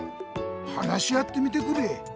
話し合ってみてくれ。